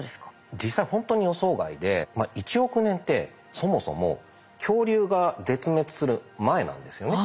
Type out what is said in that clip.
実際ほんとに予想外で１億年ってそもそも恐竜が絶滅する前なんですよね。